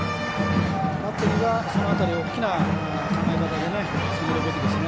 バッテリーはその辺り、大きな考え方で攻めるべきですね。